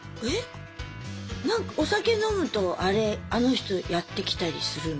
何かお酒飲むとあれあの人やって来たりするの？